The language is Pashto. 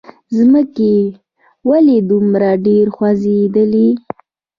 ځمکې! ولې دومره ډېره خوځېدلې؟